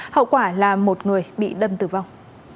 hậu quả là một người bị đâm tử vong